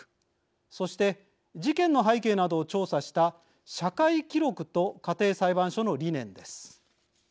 そして事件の背景などを調査した社会記録と家庭裁判所の理念です。